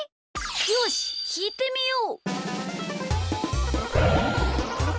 よしきいてみよう！